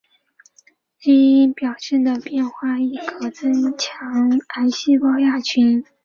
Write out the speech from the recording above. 基因表达的变化亦可增强癌细胞亚群对化疗的抵抗力。